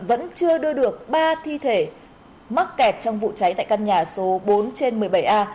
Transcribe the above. vẫn chưa đưa được ba thi thể mắc kẹt trong vụ cháy tại căn nhà số bốn trên một mươi bảy a